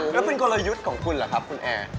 แล้วเป็นกลยุทธ์ของคุณเหรอครับคุณแอร์